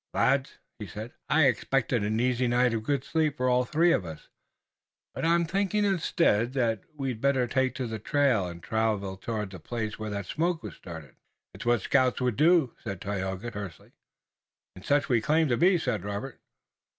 "Lads," he said, "I expected an easy night of good sleep for all three of us, but I'm thinking instead that we'd better take to the trail, and travel toward the place where that smoke was started." "It's what scouts would do," said Tayoga tersely. "And such we claim to be," said Robert.